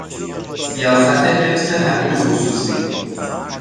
سیاست حفظ حریم خصوصی